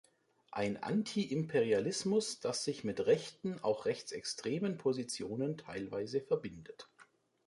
Ein Anti-Imperialismus, das sich mit rechten, auch rechtsextremen Positionen teilweise verbindet“.